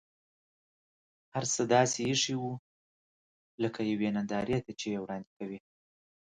هر څه داسې اېښي و لکه یوې نندارې ته یې چې وړاندې کوي.